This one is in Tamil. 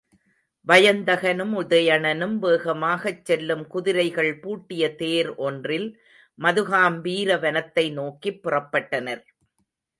வயந்தகனும் உதயணனும் வேகமாகச் செல்லும் குதிரைகள் பூட்டிய தேர் ஒன்றில் மதுகாம்பீர வனத்தை நோக்கிப் புறப்பட்டனர்.